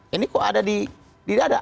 ini kok ada di dada